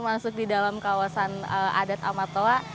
masuk di dalam kawasan adat amatoa